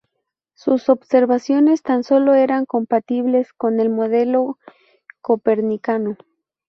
Sus observaciones tan solo eran compatibles con el modelo copernicano.